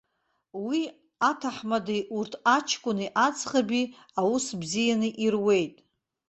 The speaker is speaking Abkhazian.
Уи аҭаҳмадеи урҭ аҷкәыни аӡӷаби аус бзиан ируеит.